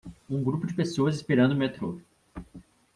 Um grupo de pessoas esperando o metrô.